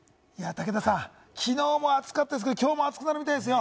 武田さん、きのうも暑かったですけれども、きょうも暑くなるみたいですよ。